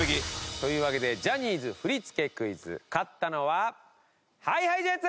というわけでジャニーズ振り付けクイズ勝ったのはＨｉＨｉＪｅｔｓ！